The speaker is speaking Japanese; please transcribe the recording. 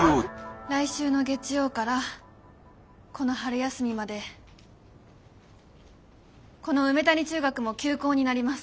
来週の月曜からこの春休みまでこの梅谷中学も休校になります。